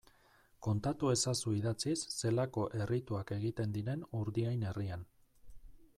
Kontatu ezazu idatziz zelako errituak egiten diren Urdiain herrian.